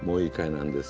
なんです